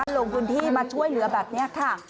ลงพื้นที่มาช่วยเหลือแบบนี้ค่ะ